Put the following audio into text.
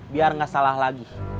biar gak salah lagi